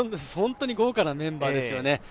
本当に豪華なメンバーですよね。